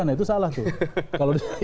nah itu salah tuh